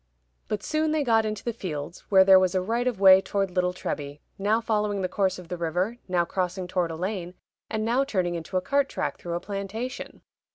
But soon they got into the fields, where there was a right of way toward Little Treby, now following the course of the river, now crossing toward a lane, and now turning into a cart track through a plantation.